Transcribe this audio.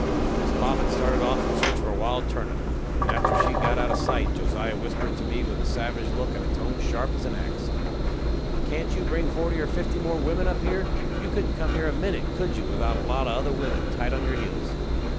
Miss Bobbet started off in search of her wild turnip, and after she had got out of sight Josiah whispered to me with a savage look and a tone sharp as a sharp ax: "Can't you bring forty or fifty more wimmen up here? You couldn't come here a minute, could you, without a lot of other wimmen tight to your heels?"